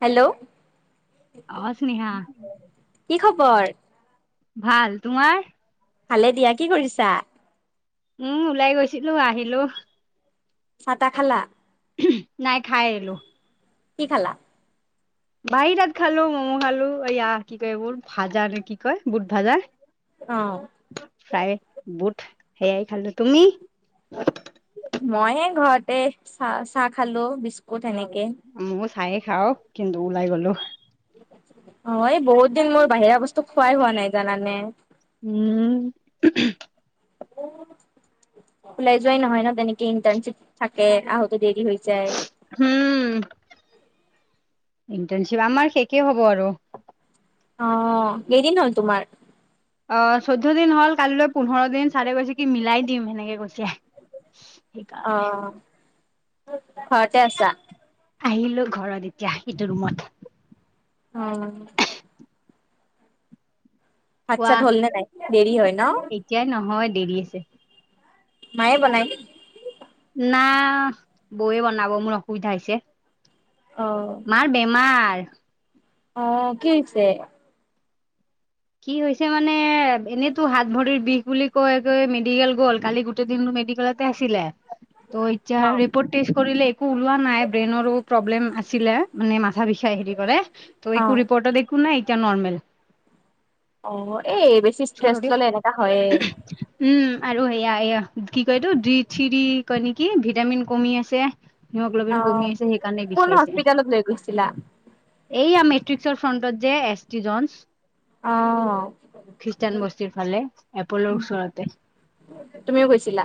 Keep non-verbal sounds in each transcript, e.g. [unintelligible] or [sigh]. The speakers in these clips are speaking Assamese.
হেল্ল' অ স্নেহা কি খবৰ ভাল তোমাৰ? ভালে দিয়া কি কৰিছা? উম ওলাই গৈছিলো আহিলো চা তা খালা নাই খাই আহিলো কি খালা বাহিৰত খালো মমো খালো এইয়া কি কয় এইবোৰ ভাজা নে কি কয় বুট ভাজা অ প্ৰায়ে বুট সেয়াই খালো তুমি মই ঘৰতে চাহ চাহ খালো বিস্কুট সেনেকে ময়ো চায়ে খাও কিন্তু ওলাই গলো অ এই বহুত দিন মোৰ বাহিৰা বস্তু খোৱাই হোৱা নাই জানানে উম ওলাই যোৱাই নহয় ন তেনেকে ইণ্টাৰ্ণশ্বিপ থাকে আহোতে দেৰি হৈ যায় উম ইণ্টাৰণশ্বিপ আমাৰ শেষেই হ'ব আৰু অ', কেইদিন হ'ল তোমাৰ? অ' চৈধ্য দিন হল, কালিলৈ পোন্ধৰ দিন চাৰে কৈছে কি মিলাই দিম সেনেকে কৈছে। সেইকাৰণে অ' ঘৰতে আছা? আহিলো ঘৰত এতিয়া, ইটো ৰুমত। অ'। কোৱা ভাত-চাত হ'ল নে নাই, দেৰি হয় ন? এতিয়াই নহয়, দেৰি আছে। মায়ে বনাই? না বৌয়ে বনাব, মোৰ অসুবিধা হৈছে। অ'। মাৰ বেমাৰ। অ কি হৈছে? কি হৈছে মানে? এনেইতো হাত-ভৰিৰ বিষ বুলি কয় কৈ মেডিকেল গ'ল, কালি গোটেই দিনতো মেডিকেলত আছিলে। [inaudible] ত' এতিয়া অ ৰিপৰ্ট টেষ্ট কৰিলে। একো ওলোৱা নাই ব্ৰেইনৰো প্ৰব্লেম আছিলে। মানে মাথা বিষাই হেৰি কৰে, ত' অ একো ৰিপৰ্ট একো নাই। এতিয়া নৰ্মেল। অঁ, এই বেছি ষ্ট্ৰেছ ললে এনেকা হয়ে। উম, আৰু সেয়া কি কয় এইটো? ডি-থ্ৰি কয় নেকি? ভিটামিন কমি আছে। অ হিম'গ্ল'বিন কমি আছে, সেইকাৰণে কোন বিষাইছে। হস্পিতালত লৈ গৈছিলা এইয়া মেট্ৰিকছৰ ফ্ৰণ্টত যে এছ টি জন। অ'। খ্ৰীষ্টান বস্তিৰ ফালে, এপ'ল'ৰ ওচৰতে। তুমিও গৈছিলা?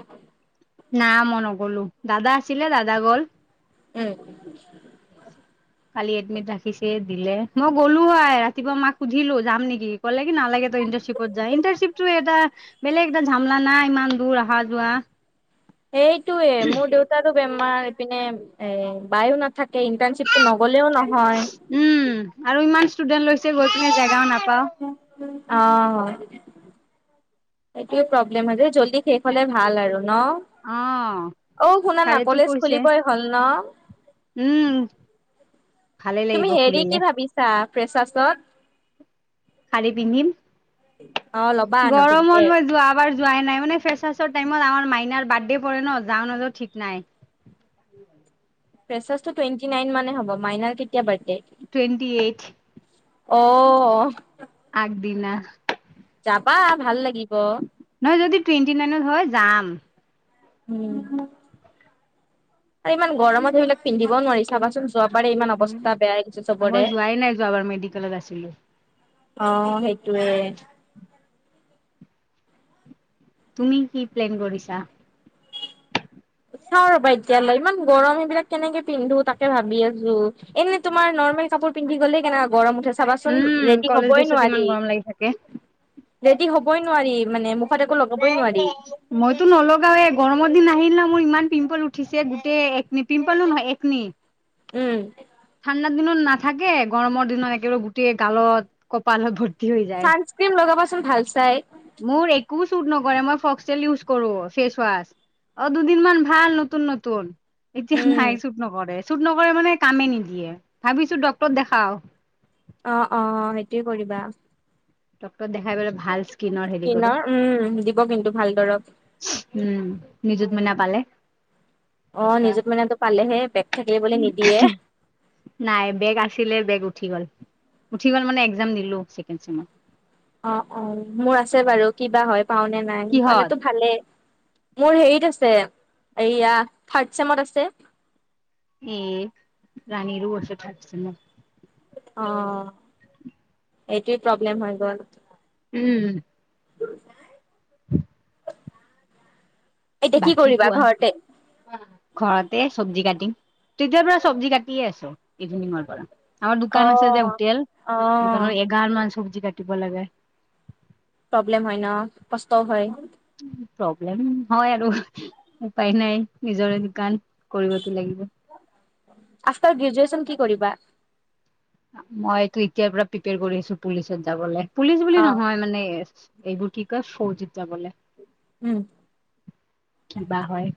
না মই নগলো দাদা আছিলে, দাদা গল। উম [unintelligible] কালি এডমিট ৰাখিছে, দিলে মই গ'লো হয় ৰাতিপুৱা মাক সুধিলো যাম নেকি? ক'লে কি নালাগে, তই ইণ্টাৰ্ণশ্বিপত যা। ইণ্টাৰ্ণশ্বিপটো এটা বেলেগ এটা ঝামলা নাই, ইমান দূৰ অহা-যোৱা। সেইটোয়ে মোৰ দেউতাতো বেমাৰ, এইপিনে এ বায়ো নাথাকে ইণ্টাৰ্ণশ্বিপটো নগলেও নহয়। উম' আৰু ইমান ষ্টুডেণ্ট লৈছে, গৈ পিনে জেগাও নাপাওঁ। অ'। এইটোয়ে প্ৰব্লেম, জল্দি শেষ হলে ভাল আৰু ন। অ অ' শুনা না, ছাৰেতো কলেজ কৈছে খুলিবই হ'ল ন'। উম'। ভালে তুমি লাগিব হেৰি খুলিলে কি ভাবিছা ফ্ৰেছাছত? শাৰী পিন্ধিম। অ ল'বা নতুনকে গৰমত মই যোৱাবাৰ যোৱাই নাই মানে, ফ্ৰেছাৰ্ছৰ টাইমত আমাৰ মাইনাৰ বাৰ্থডে পৰে ন, যাওঁ নাযাওঁ ঠিক নাই। ফ্ৰেছাৰ্ছটো টুৱেণ্টি নাইন মানে হব। মাইনাৰ কেতিয়া বাৰ্থডে? Twenty eight. অ' আগ দিনা। যাবা ভাল লাগিব। নহয় যদি টুৱেণ্টি নাইনত হয় যাম উম আৰু ইমান গৰমত সেইবিলাক পিন্ধিব নোৱাৰি চাবাচোন যোৱাবাৰ ইমান উম। অৱস্থা বেয়া হৈ গৈছে মই চবৰে যোৱাই নাই যোৱাবাৰ মেডিকেলত আছিলো। অ সেইটোয়ে তুমি কি প্লেন কৰিছা চাওঁ ৰ'বা এতিয়ালৈ ইমান গৰম সেইবিলাক কেনেকে পিন্ধো তাকে ভাবি আছো এনে তোমাৰ নৰ্মেল কাপোৰ পিন্ধি গলে কেনেকা গৰম উঠে চাবাচোন উম ৰেডি কলেজ হবই ড্ৰেছত ইমান নোৱাৰি গৰম লাগি থাকে। ৰেডি হবই নোৱাৰি মানে মুখত একো লগাবই নোৱাৰি মইতো নলগাও এ গৰমৰ দিন আহিল না মোৰ ইমান পিম্পল উঠিছে গোটেই একনি পিম্পলো নহয় একনি উম ঠাণ্ডাৰ দিনত নাথাকে গৰমৰ দিনত একেবাৰে গোটেই গালত কপালত ভৰ্তি হৈ যায় চানচক্ৰীম লগাবাচোন ভাল চাই মোৰ একো চুট নকৰে মই ফক্সেল ইউজ কৰো ফেচৱাচ অ দুদিনমান ভাল নতুন নতুন এতিয়া উম। নাই চুট নকৰে চুট নকৰে মানে কামে নিদিয়ে ভাবিছো ডক্তৰক দেখাও অ অ অ সেইটোয়ে কৰিবা ডক্তৰক দেখাই পেলাই ভাল স্কিনৰ হেৰি কৰো কিনৰ উম দিব কিন্তু ভাল দৰৱ উম নিযুত মইনা পালে অ নিযুত মইনাটো পালেহে ব্ৰেক থাকিলে বোলে নিদিয়ে নাই ব্ৰেক আছিলে ব্ৰেক উঠি গল উঠি গল মানে এক্সাম দিলো চেকেণ্ড ছেমত অ অ মোৰ আছে বাৰু কিবা হয় পাও নে নাই কিহত পালেতো ভালে মোৰ হেৰিত আছে এইয়া থাৰ্ড ছেমত আছে উম ৰাণীৰো আছে থাৰ্ড ছেমত অ এইটোয়ে প্ৰব্লেম হৈ গল উম [unintelligible] এতিয়া কি বাকি কৰিবা কোৱা ঘৰতে কোৱা ঘৰতে চব্জি কাটিং তেতিয়াৰ পৰা চব্জি কাটিয়ে আছ ইভিনিংৰ পৰা আমাৰ অ দোকান আছে যে হোটেল অ দোকানৰ এগাল মান চব্জি কাটিব লাগে প্ৰব্লেম হয় ন কষ্টও হয় প্ৰব্লেম হয় আৰু উপায় নাই নিজৰে দোকান কৰিবতো লাগিব আফটাৰ গ্ৰেজুৱেচন কি কৰিবা মইতো এতিয়া পৰা প্ৰিপেয়াৰ কৰি আছো পুলিচত যাবলে পুলিচ বুলি অ নহয় মানে এইবোৰ কি কয় ফৌজিত যাবলে উম কি বা হয়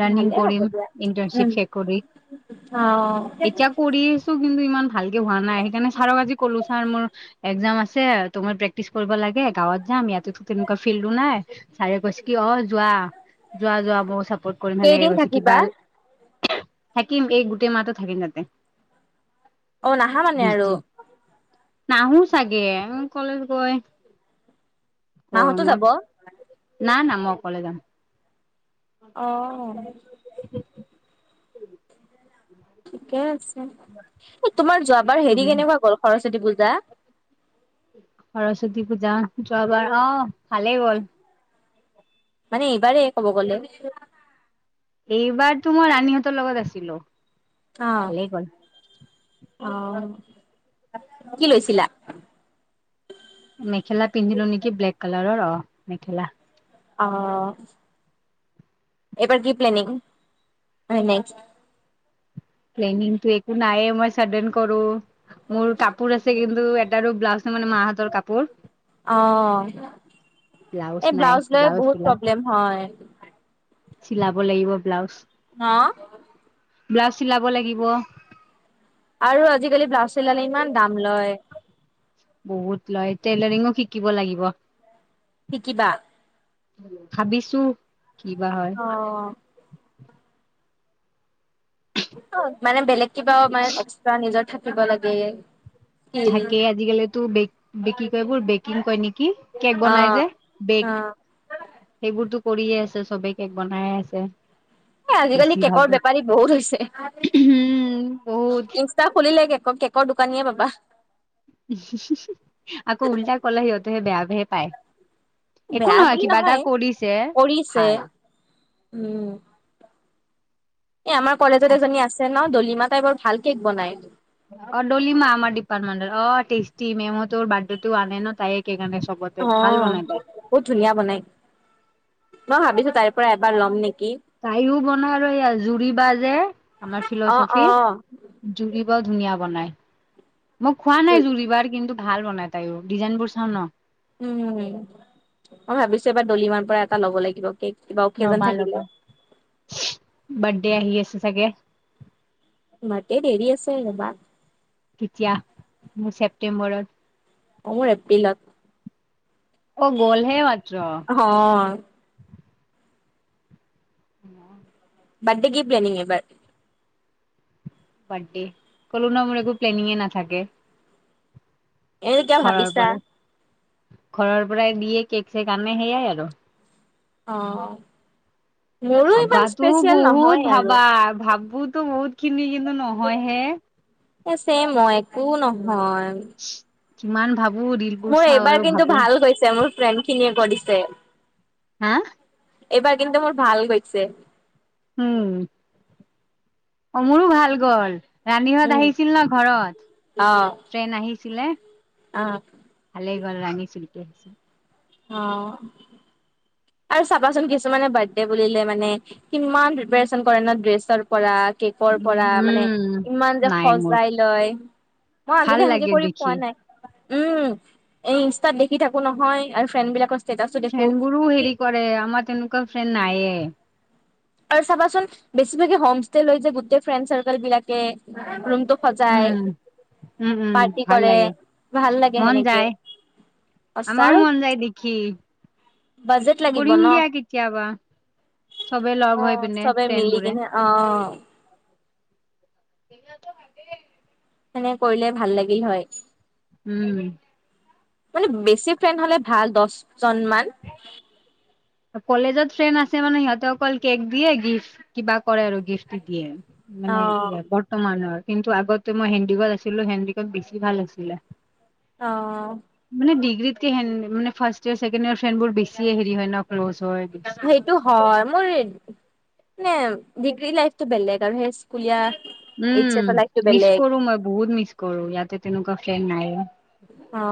ৰাণিং ভালেই হ'ব কৰিম দিয়া উম ইণ্টাৰ্ণশ্বিপ শেষ কৰি অ এতিয়া কৰি মোৰ কিন্তু ইমান ভালকে হোৱা নাই সেইকাৰণে ছাৰক আজি কলো ছাৰ মোৰ এক্সজাম আছে তোমাৰ প্ৰেক্টিচ কৰিব লাগে গাঁৱত যাম ইয়াতেতো তেনেকুৱা ফিল্ডো নাই ছাৰে কৈছ কি অ যোৱা যোৱা যোৱা মইয়ো চাপৰ্ট কৰিম হেনেকে কেইদিন কৈছে থাকিবা কিবা থাকিম এই গোটেই মাহটো থাকিম তাতে অ নাহা মানে আৰু ইষ্টিম নাহো চাগে কলেজ গৈ মাহতো যাব গৰমত, না না মই অকলে যাম। অ ঠিকে আছে, এ তোমাৰ যোৱাবাৰ হেৰি তুমি কেনেকুৱা গ'ল সৰস্বতী পূজা? সৰস্বতী পূজা, যোৱাবাৰ অ ভালেই গ'ল। মানে এইবাৰে ক'ব গ'লে। এইবাৰতো মই ৰাণীহঁতৰ লগত আছিলো। আ ভালেই গ'ল আহ, কি লৈছিলা? মেখেলা পিন্ধিলো নেকি ব্লেক কালাৰৰ, অ মেখেলা। অ এইবাৰ কি প্লেনিং অই নেক্স প্লেনিং তো একো নাইয়ে মই চাডেন কৰো। মোৰ কাপোৰ আছে কিন্তু এটাৰো ব্লাউজ নাই মানে মাহঁতৰ কাপোৰ। অ এ ব্লাউজ লৈ বহুত প্ৰব্লেম হয়। চিলাব লাগিব ব্লাউজ। হা ব্লাউজ চিলাব লাগিব। আৰু আজি-কালি ব্লাউজ চিলালে ইমান দাম লয়। বহুত লয় টেইলাৰিঙো শিকিব লাগিব। শিকিবা ভাবিছো কি বা হয় অ অ মানে বেলেগ কিবাও মানে এক্সট্ৰা নিজৰ থাকিব লাগে। স্কিল তাকে আজি-কালিতো বেক কি কয় এবোৰ বেকিং কয় নেকি কেক অ বনাই যে, বেক অ সেইবোৰতো কৰিয়ে আছে চবে কেক বনায়ে আছে। এ আজি-কালি বেছি কেকৰ ভাগে বেপাৰী বহুত হৈছে উম বহুত ইচ টা খুলিলে কেক কেকৰ দোকানীয়ে পাবা। হু হু হু আকৌ উল্টা কলে সিহঁতেহে বেয়া ভে পায়। একো বেয়া নহয় বুলি কিবা এটা কৰিছে কৰিছে ভাল। উম এ আমাৰ কলেজত এজনী আছে ন ডলিমা তাই বৰ ভাল কেক বনাই। [unintelligible] অ ডলিমা আমাৰ ডিপাৰ্টেণ্ট অ টেষ্টি মেম হতৰ বাৰ্থডে টো আনে ন তাইয়ে কেক আনে চবত অ বহুত ধুনীয়া বনাই মই ভাবিছো তাইৰ পৰা এবাৰ লম নেকি তাইও বনা আৰু এই জুৰি বা যে আমাৰ ফিলচফিৰ উম জুৰি বাও ধুনীয়া বনাই মই খোৱা নাই জুৰি বাৰ কিন্তু ভাল বনাই তাইও ডিজাইন বোৰ চাওঁ ন। উম মই ভাবিছো এবাৰ দলিমাৰ পৰা এটা ল'ব লাগিব কেক। কিবা অকেজন ল'বা থাকিলে। ল'বা বাৰ্থডে আহি আছে চাগে। বাৰ্থডে দেৰি আছে ৰবা। কেতিয়া মোৰ ছেপটেম্বৰত। অ মোৰ এপ্ৰিলত। অ' গ'লহে মাত্ৰ। অ উম বাৰ্থডে কি প্লেনিং এইবাৰ বাৰ্থডে, কলো ন মোৰ একো প্লোনিং নাথাকে। এ কিবা খৰৰ ভাবিছা পৰা, খৰৰ পৰাই দিয়ে কেক চেক আনে সেইয়াই আৰু। অ। মোৰো ইমান ভাবাতো স্পেচিয়েল বহুত নহয় আৰু। ভাবা, ভাবোতো বহুত খিনি কিন্তু নহয় হে। এই ছেম অ একো নহয়। কিমান ভাবো দিল মোৰ এইবাৰ কিন্তু ভাল হৈছে মোৰ ফ্ৰেণ্ড খিনিয়ে কৰিছে। হা এইবাৰ কিন্তু মোৰ ভাল গৈছে। উম। অ মোৰো ভাল গ'ল। ৰানিঙত উম। আহিছিল ন ঘৰত, অ', ফ্ৰেন আহিছিলে। অ। ভালেই গ'ল ৰানিং চলকি আহিছোঁ। অ। আৰু চাবাচোন কিছুমানে বাৰ্থডে বুলিলে মানে, কিমান প্ৰিপাৰেচন কৰে ন ড্ৰেছৰ পৰা। কেকৰ পৰা মানে, উম ইমান যে নাই মোৰ সজাই লয়। মই ভাল আজিলৈ সেনেকে লাগে কৰি দেখি পোৱা নাই। উম, এই ইনষ্টাত দেখি থাকো নহয় আৰু ফ্ৰেণ্ড বিলাকৰ- ষ্টেটাচো দেখো। ফ্ৰেণ্ড বোৰো হেৰি কৰে, আমাৰ তেনেকুৱা ফ্ৰেণ্ড নাইয়ে। আৰু চাবাচোন, বেছিভাগে হোমষ্টেলৈ যে গোটেই ফ্ৰেণ্ড চাৰ্কল বিলাকে ৰুম- টো সজায়, উম উম উম পাৰ্টি ভাল কৰে, লাগে ভাল লাগে মন সেনেকে। যায় অ আমাৰো চাল, মন যায় দেখি বাজেট লাগিব কৰিম দিয়া ন'? কেতিয়াবা, চবে লগ অ', হৈ পিনে, চবে ফ্ৰেণ্ড মিলি বোৰে। কিনে অ। [unintelligible] সেনে কৰিলে ভাল লাগিল হয়। উম। মানে বেছি ফ্ৰেণ্ড হ'লে ভাল দহজন মান। কলেজত ফ্ৰেণ্ড আছে মানে সিহঁতে অকল কেক দিয়ে গিফ্ট কিবা কৰে আৰু গিফ্ট দিয়ে। মানে অ', বৰ্তমানৰ, কিন্তু আগতে মই হেণ্ডিকত আছিলো হেণ্ডিকত বেছি ভাল আছিলে। অ। মানে ডিগ্ৰীতে হেন মানে first year, second year, friend বোৰ বেছিয়ে হেৰি হয় ন ক্ল'জ হয়। টো হয়, মোৰ মানে ডিগ্ৰী লাইফতটো বেলেগ আৰু সেই স্কুলীয়া এইচ উম, এছৰ লাইফটো মিছ বেলেগ কৰো মই বহুত মিছ কৰো ইয়াতে তেনেকুৱা ফ্ৰেণ্ড নাই। অ।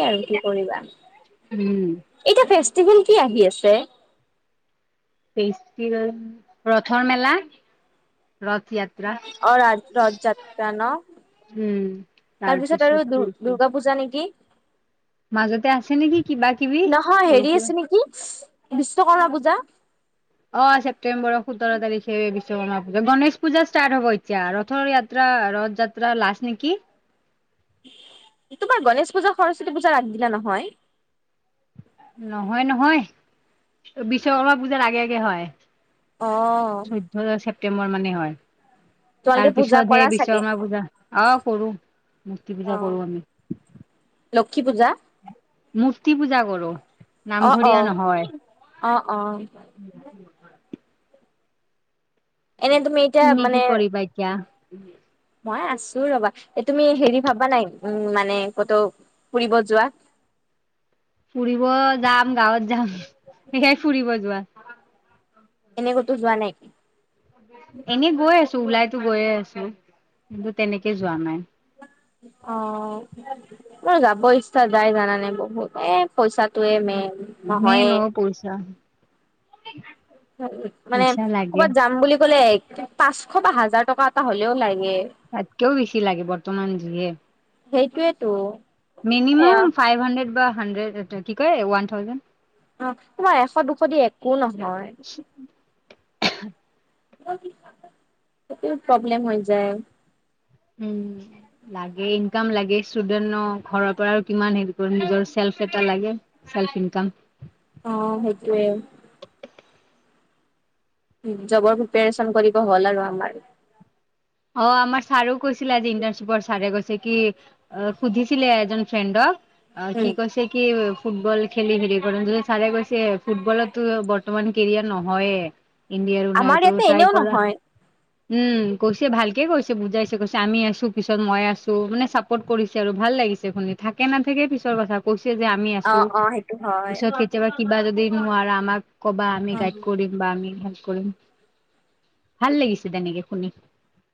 এয়া আৰু কি কৰিবা। উম। এতিয়া ফেষ্টিভেল কি আহি আছে? ফেষ্টিভেল, ৰথৰ মেলা। ৰথয়াত্ৰা। অ' ৰথযাত্ৰা ন। উম, তাৰপিছত আৰু কি দুৰ আছিল দুৰ্গা পূজা নেকি? মাজতে আছে নেকি কিবা কিবি নহয় সৰু হেৰি সুৰা আছে নেকি, বিশ্বকৰ্মা পূজা। অ' ছেপ্টেম্বৰ সোতৰ তাৰিখে বিশ্বকৰ্মা পূজা। গণেশ পূজা ষ্টাৰ্ট হব এতিয়া ৰথৰ য়াত যাত্ৰা ৰথ যাত্ৰা লাষ্ট নেকি? এইটো বাৰ গণেশ পূজা সৰস্বতী পূজাৰ আগ দিনা নহয়? নহয়, নহয়, বিশ্বকৰ্মা পূজাৰ আগে আগে হয়। অ'। চৈধ্য ছেপ্টেম্বৰ মানে হয়। তোমালোকে তাৰ পূজা পিছত হে কৰা চাগে বিশ্বকৰ্মা পূজা, অ' কৰো মূৰ্তি পূজা কৰো আমি। লক্ষী পূজা। মূৰ্তি পূজা কৰো, অ অ নামঘৰীয়া নহয়। অ অ এনে এতিয়া তুমি মানে কি কৰিবা এতিয়া? মই আছো ৰবা, এই তুমি হেৰি ভাবা নাই উম মানে কতো ফুৰিব যোৱা? ফুৰিব যাম গাঁৱত যাম, সেইয়াই ফুৰিব যোৱা। এনে কতো যোৱা নাই? এনেই গৈ আছো ওলাইতো গৈয়ে আছো, কিন্তু তেনেকে যোৱা নাই। অ'। মোৰ যাব ইচ্ছা যায় জানানে বহুত এ' পইচাটোয়ে মেইন। মেইন নহয়ে অ' পইচা। মানে পইচা লাগে ক'ৰবাত যাম বুলি ক'লে পাঁচশ বা হাজাৰ টকা এটা হ'লেও লাগে। তাতকেও বেছি লাগে বৰ্তমান যিয়ে। সেইটোৱেতো। মিনিমাম ফাইভ হাণ্ড্ৰেড বা হানড্ৰেড কি কয় ওৱান থাউজেণ্ড। অ' তোমাৰ এশ দুশ দি একো নহয়। সেইটোৱে প্ৰব্লেম হৈ যায়। উম। লাগে ইনকাম লাগে ষ্টুডেন ঘৰৰ পৰা আৰু কিমান হেৰি কৰে নিজৰ চেল্ফ এটা লাগে। Self income. অ' সেইটোৱে। জবৰ প্ৰিপেৰেচন কৰিব হ'ল আৰু আমাৰ। অ' আমাৰ ছাৰো কৈছিলে আজি ইণ্টাৰ্নশ্বিপৰ ছাৰে কৈছে কি অ সুধিছিলে এজন ফ্ৰেণ্ডক অ উম সি কৈছে কি ফুটবল খেলি হেৰি কৰিম যদি ছাৰে কৈছে ফুটবলতো বৰ্তমান কেৰিয়াৰ নহয়ে ইণ্ডিয়াৰো আমাৰ নাইতো ইয়াতে ট্ৰাই এনেও কৰা নহয় উম কৈছ ভালকে কৈছে বুজাইছে কৈছে আমি আছো পিছত মই আছো মানে চাপোৰ্ট কৰিছে আৰু ভাল লাগিছে শুনি থাকে নাথাকে পিছৰ কথা কৈছে যে আমি অ আছো অ সেইটো হয় পিছত কেতিয়াবা কিবা যদি নোৱাৰা আমাক ক'বা আমি গাইড উম কৰিম বা আমি হেল্প কৰিম, ভাল লাগিছে তেনেকে শুনি।